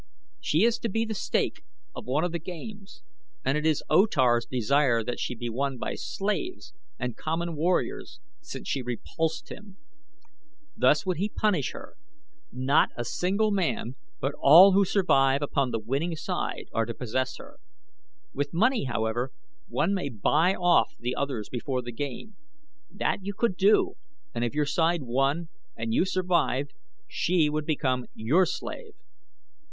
She is to be the stake of one of the games and it is O Tar's desire that she be won by slaves and common warriors, since she repulsed him. Thus would he punish her. Not a single man, but all who survive upon the winning side are to possess her. With money, however, one may buy off the others before the game. That you could do, and if your side won and you survived she would become your slave."